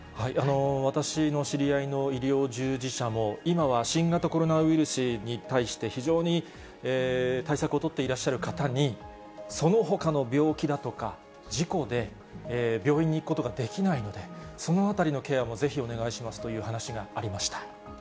私の知り合いの医療従事者も、今は新型コロナウイルスに対して非常に対策を取っていらっしゃる方に、そのほかの病気だとか、事故で病院に行くことができないので、そのあたりのケアもぜひお願いしますという話がありました。